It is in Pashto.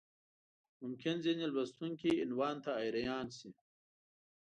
ممکن ځینې لوستونکي عنوان ته حیران شي.